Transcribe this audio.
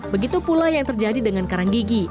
begitu pula yang terjadi dengan karang gigi